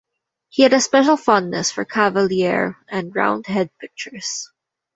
He had a special fondness for Cavalier and Roundhead pictures.